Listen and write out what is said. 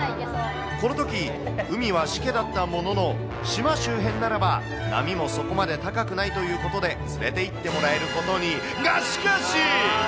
このとき、海はしけだったものの、島周辺ならば、波もそこまで高くないということで、連れていってもらえることに。